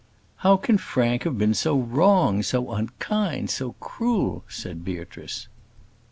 "How can Frank have been so wrong, so unkind, so cruel?" said Beatrice.